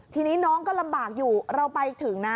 ทีนี้น้องก็ลำบากอยู่เราไปถึงนะ